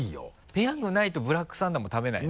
「ペヤング」ないと「ブラックサンダー」も食べないの？